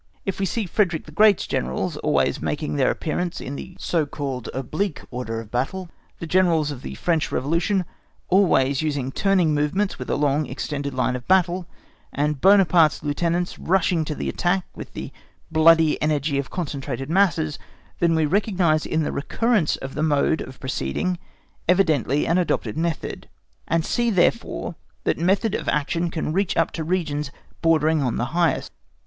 If we see Frederick the Great's Generals always making their appearance in the so called oblique order of battle, the Generals of the French Revolution always using turning movements with a long, extended line of battle, and Buonaparte's lieutenants rushing to the attack with the bloody energy of concentrated masses, then we recognise in the recurrence of the mode of proceeding evidently an adopted method, and see therefore that method of action can reach up to regions bordering on the highest.